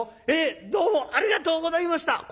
ええどうもありがとうございました」。